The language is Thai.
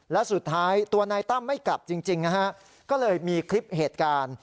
และสุดท้ายตัวนายตั้มไม่กลับจริงนะฮะก็เลยมีคลิปเหตุการณ์